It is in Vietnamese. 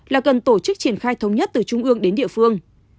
là cần tổ chức triển khai thống nhất từ trung ương đến địa phương